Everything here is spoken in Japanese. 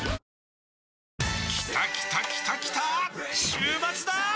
週末だー！